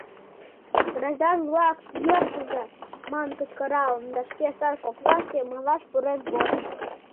«Граждан-влак, йӧртыза!» манын кычкыралын да шке сад коклашке малаш пурен возын...